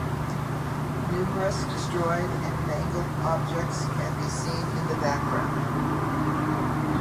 Numerous destroyed and mangled objects can be seen in the background.